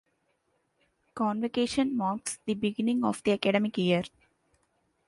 Convocation marks the beginning of the academic year.